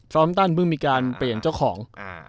ตันเพิ่งมีการเปลี่ยนเจ้าของ